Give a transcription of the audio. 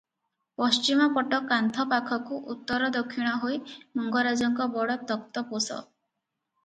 ପଶ୍ଚିମ ପଟ କାନ୍ଥ ପାଖକୁ ଉତ୍ତର ଦକ୍ଷିଣ ହୋଇ ମଙ୍ଗରାଜଙ୍କ ବଡ଼ ତକ୍ତପୋଷ ।